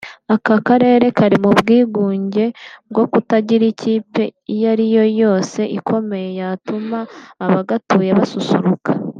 Aka karere kari mu bwigunge bwo kutagira ikipe iyo ariyo yose ikomeye yatuma abagatuye basusuruka